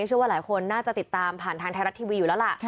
เชื่อว่าหลายคนน่าจะติดตามผ่านทางไทยรัฐทีวีอยู่แล้วล่ะ